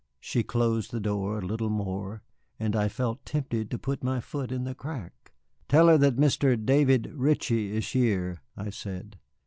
She closed the door a little more, and I felt tempted to put my foot in the crack. "Tell her that Mr. David Ritchie is here," I said.